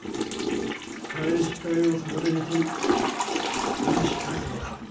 買い控えを逆手に取り売り控えるのか？